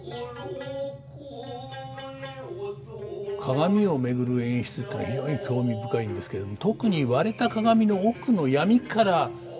鏡を巡る演出っていうのは非常に興味深いんですけれども特に割れた鏡の奥の闇から森村人形が出てくるシーン。